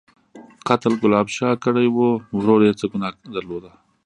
_قتل ګلاب شاه کړی و، ورور يې څه ګناه درلوده؟